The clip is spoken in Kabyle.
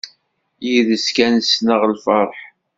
Yid-s kan ssneɣ lferḥ.